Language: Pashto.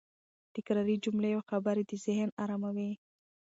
تکراري جملې او خبرې د ذهن اراموي.